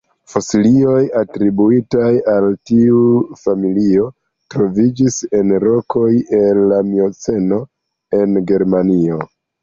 Fosilioj atribuitaj al tiu familio troviĝis en rokoj el la Mioceno en Germanio.